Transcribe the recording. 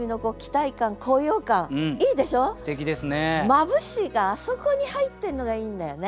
「眩し」があそこに入ってんのがいいんだよね。